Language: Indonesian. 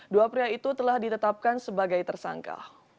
dua pria itu telah ditetapkan sebagai tersangka